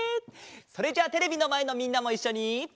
それじゃあテレビのまえのみんなもいっしょに。